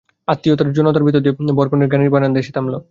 আত্মীয়বন্ধুর জনতার ভিতর দিয়ে বরকনের গাড়ি গাড়িবারান্দায় এসে থামল।